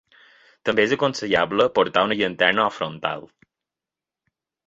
També és aconsellable portar una llanterna o frontal.